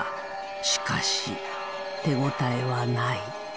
しかし手応えはない。